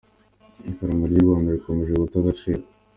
– Ifaranga ry’uRwanda rikomeje guta agaciro,